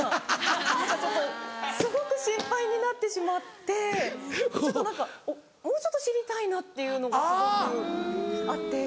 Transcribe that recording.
何かちょっとすごく心配になってしまってちょっと何かもうちょっと知りたいなっていうのがすごくあって。